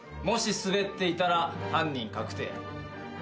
もしスベっていたら犯人確定。